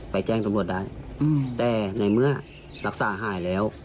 แจ้งตำรวจได้แต่ในเมื่อรักษาหายแล้ว